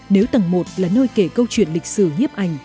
nếu tầng một là nơi kể câu chuyện lịch sử nhiếp ảnh